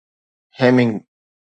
Hemming